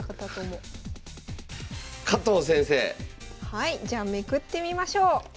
はいじゃあめくってみましょう！